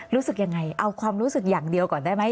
รู้สึกยังไงเอาความรู้สึกอย่างเดียวก่อนได้ไหม